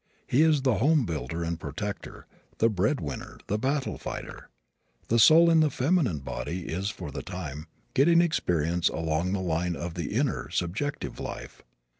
He is the home builder and protector, the bread winner, the battle fighter. The soul in the feminine body is, for the time, getting experience along the line of the inner, subjective life.